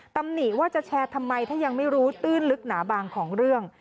ตำหนิว่าจะแชร์ทำไมถ้ายังไม่รู้ตื้นลึกหนาบางของเรื่อง